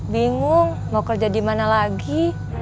bingung mau kerja dimana lagi